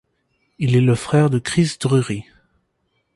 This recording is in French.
Il est le frère de Chris Drury.